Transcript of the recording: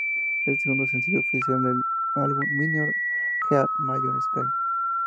Es el segundo sencillo oficial del álbum Minor Earth Major Sky.